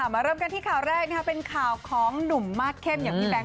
มันเริ่มกันที่ข่าวแรกที่เป็นข่าวของหนุ่มมากเข้ม